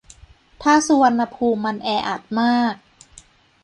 ถ้าสุวรรณภูมิมันแออัดมาก